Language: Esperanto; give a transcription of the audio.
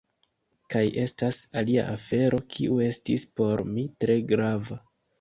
Kaj estas alia afero kiu estis por mi tre grava.